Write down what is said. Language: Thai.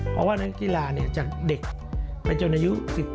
เพราะว่านักกีฬาจากเด็กไปจนอายุ๑๘